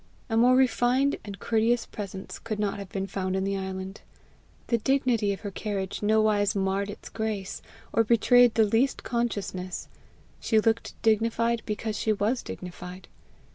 A more refined and courteous presence could not have been found in the island. The dignity of her carriage nowise marred its grace, or betrayed the least consciousness; she looked dignified because she was dignified.